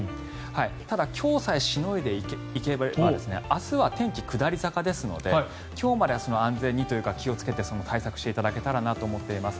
ただ、今日さえしのいでいければ明日は天気、下り坂ですので今日までは安全にというか気をつけて対策していただけたらなと思っています。